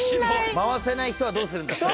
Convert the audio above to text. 回せない人はどうするんですか？